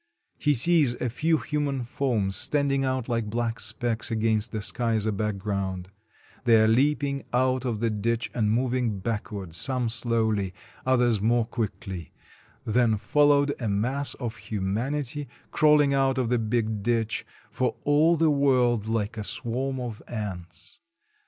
He sees a few human forms standing out like black specks against the sky as a background; They are leap ing out of the ditch and moving backward, some slowly, others more quickly ; then followed a mass of humanity, crawling out of the big ditch for all the world like a swarm of ants.